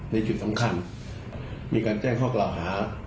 ในจุดสำคัญมีการแจ้งข้อกล่าวหา